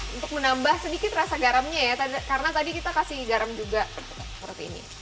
untuk menambah sedikit rasa garamnya ya karena tadi kita kasih garam juga seperti ini